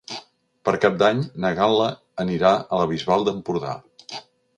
Per Cap d'Any na Gal·la anirà a la Bisbal d'Empordà.